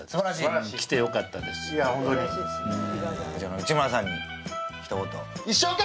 内村さんに一言。